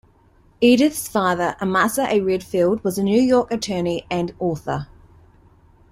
Edith's father Amasa A. Redfield was a New York attorney and author.